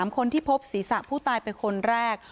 คนที่พบศีรษะผู้ตายเป็นคนแรก